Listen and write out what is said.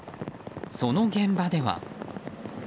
その現場では。